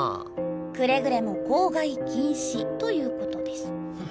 くれぐれも口外禁止ということです。